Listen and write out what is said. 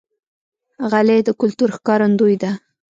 غلۍ د کلتور ښکارندوی ده.